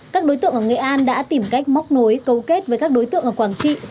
các đối tượng ở nghệ an đã tìm cách móc nối cấu kết với các đối tượng ở quảng trị